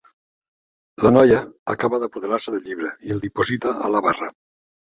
La noia acaba d'apoderar-se del llibre i el diposita a la barra.